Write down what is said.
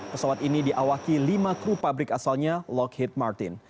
pesawat ini diawaki lima kru pabrik asalnya lockheed martin